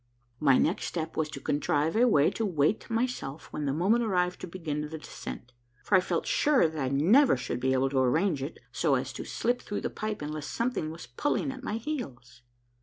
My next step was to contrive a way to weight myself when the moment arrived to begin the descent, for I felt sure that I never should be able to arrange it so as to slip through the pipe unless something was pulling at my heels.